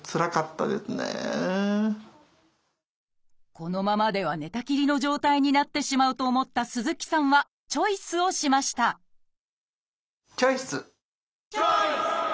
このままでは寝たきりの状態になってしまうと思った鈴木さんはチョイスをしましたチョイス！